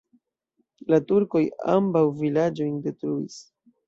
La turkoj ambaŭ vilaĝojn detruis.